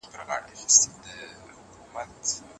د نجونو تعليم د ټولنې ګډې پرېکړې ښه کوي.